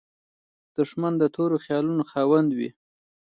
دښمن د تورو خیالاتو خاوند وي